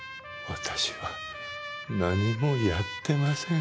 私はやってません。